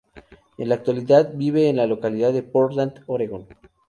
En la actualidad vive en la localidad de Portland, Oregón.